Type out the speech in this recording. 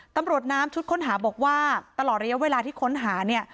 ตำรวจน้ำชุดค้นหาบอกว่าตลอดระยะเวลาที่ค้นหาเนี่ย